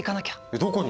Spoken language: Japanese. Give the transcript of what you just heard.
どこに？